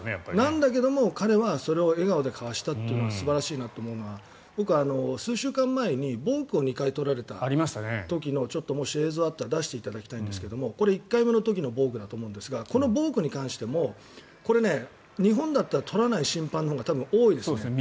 だけど彼はそれを笑顔で交わしたというのが素晴らしいなと思うのは僕、数週間前にボークを２回取られたもし映像があれば出していただきたいんですがこれ、１回目のボークなんですがボークに関してもこれ、日本だったら取らない審判のほうが多いですね。